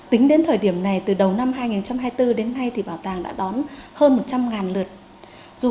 tính đến thời điểm này từ đầu năm năm năm hai nghìn hai mươi bốn đến nay thì bảo tàng đã đón hơn một trăm ngàn lượt du